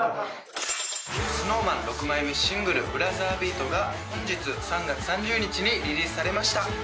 ＳｎｏｗＭａｎ６枚目シングル『ブラザービート』が本日３月３０日にリリースされました。